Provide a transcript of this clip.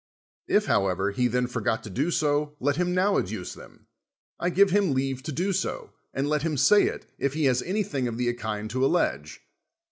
If, however, he then forgot to do so, let him now adduce them, I give him leave to do so, and let him say it, if he has anything of the kind to allege.